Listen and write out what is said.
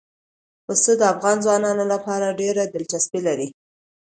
پسه د افغان ځوانانو لپاره ډېره دلچسپي لري.